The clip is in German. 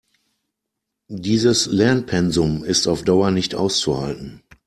Dieses Lernpensum ist auf Dauer nicht auszuhalten.